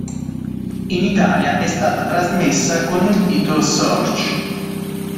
In Italia è stata trasmessa con il titolo "Search".